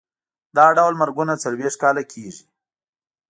دا ډول مرګونه څلوېښت کاله کېږي.